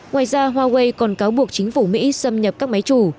ngoài ra huawei còn cáo buộc chính phủ mỹ xâm nhập các máy chủ